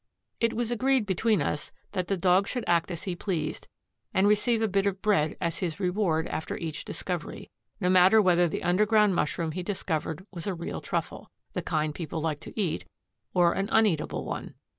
It was agreed between us that the Dog should act as he pleased and receive a bit of bread as his reward after each discovery, no matter whether the underground mushroom he discovered was a real truffle, the kind people like to eat, or an uneatable one.